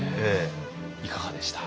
いかがでした？